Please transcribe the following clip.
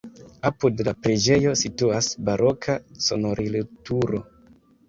Apud la preĝejo situas baroka sonorilturo.